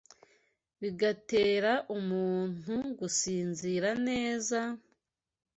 bigatera umuntu gusinzira neza,